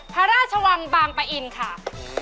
พระราชวังบางปะอินค่ะ